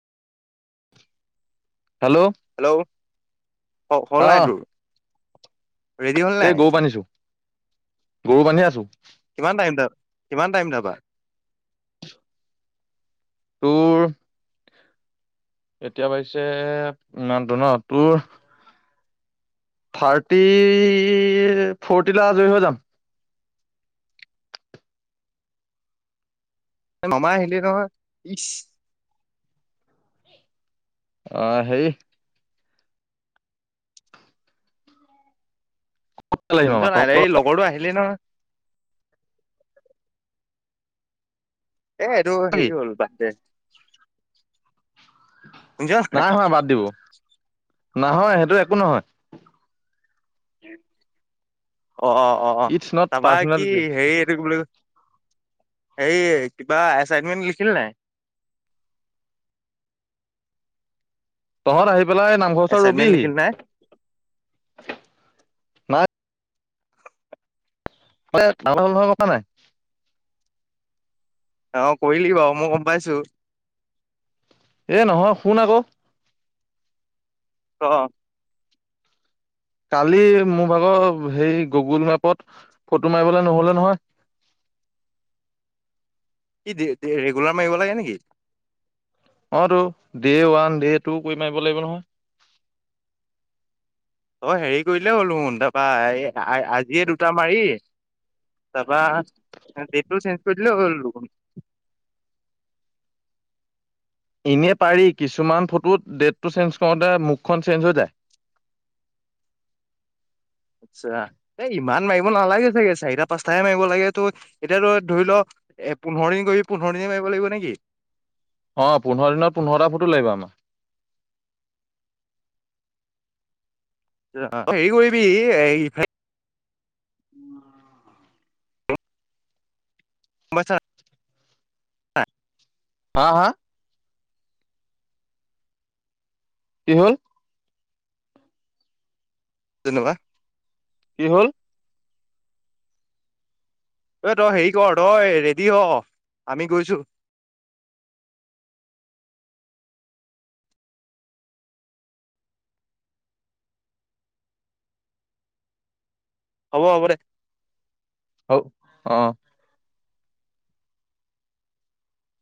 Hello. Hello অ হল নাই তোৰ? ৰেডি হল এই নাই? গৰু বান্ধিছো গৰু বান্ধি আছো। কিমান টাইম দ, কিমান টাইম যাবা। তোৰ এতিয়া বাজিছে, ইমানটো ন তোৰ থাৰ্টি, ফৰটিল আজয়ী হৈ যাম নমাই আহিলি নহয়, ইছ। অ হেৰি আহিম শুনিছ আমাৰ নাই তহঁতৰ এই লগৰটো আহিলে নহয়? এ এইটো কি হেৰি হ'ল, বাদ দে। [inaudible] নাই হোৱা বাদ দিলো। নহয় সেইটো একো নহয়। উম [inaudible] অ অ অ অ, ইটছ নট তাৰপৰা পাৰ্চনেল কি ডিটেইলছ হেৰি হেৰি বোলো এই কিবা এচাইনমেন্ট লিখিলি নাই? তহত আহিব পেলাই নামঘৰ ওচৰত এচাইনমেন্ট ৰবিহি। লিখিলি নাই না আৰে কাৰেণ অহা গম পাঅ নাই [inaudible] অ কৰিলি বাৰু মই গম পাইছো। এ নহয়, শুন আকৌ? অ। কালি মোৰ ভাগৰ হেই গুগুল মেপত ফটো মাৰিবলৈ নহলে নহয় কি, ৰেগুলাৰ মাৰিব লাগে নেকি? অ টো, দে ওৱান, দে টু কৰি মাৰিব লাগিব নহয়। অ হেৰি কৰিলেই হ'ল দেখোন তাৰপৰা আজিয়ে দুটা মাৰি, তাৰপৰা ডেটটো চেঞ্জ কৰি দিলে হই গল চোন। এনে পাৰি কিছুমান ফটোত ডেটটো চেঞ্জ কৰোঁতে মুখখন চেঞ্জ হৈ যায়। আচ্ছা, এই ইমান মাৰিব নালাগে চাগে চাৰিটা, পাঁচটাহে মাৰিব লাগে ত', এতিয়াতো ধৰি লও এ পোন্ধৰ দিন কৰি পোন্ধৰ দিনে মাৰিব লাগিব নেকি? অহ, পোন্ধৰ দিনত পোন্ধৰটা ফটো লাগিব আমাক। হেৰি কৰিবি এ ইফাল হা হা? কি হল? তেনেকুৱা? কি হল? এ তই হেৰি কৰ, তই ৰেডি হ আমি গৈছো। হ'ব, হ'ব দে। হ অ।